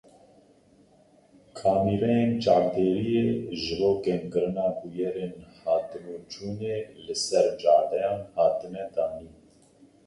Kamîreyên çavdêriyê ji bo kêmkirina bûyerên hatinûçûnê li ser cadeyan hatine danîn.